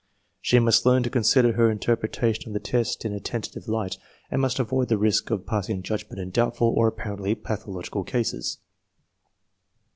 She must learn to consider her interpretation of the test in a tentative light, and must avoid the risk of passing judgment in doubtful or apparently patho logical cases.